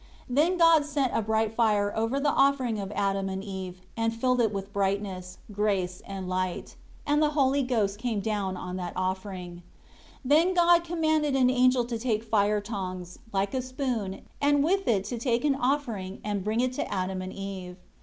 13 And God sent a bright fire over the offering of Adam and Eve, and filled it with brightness, grace, and light; and the Holy Ghost came down on that offering. 14 Then God commanded an angel to take fire tongs, like a spoon, and with it to take an offering and bring it to Adam and Eve.